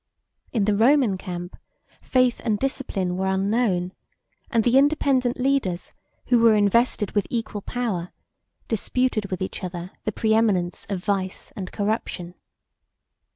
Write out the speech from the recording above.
In the Roman camp, faith and discipline were unknown; and the independent leaders, who were invested with equal power, disputed with each other the preeminence of vice and corruption.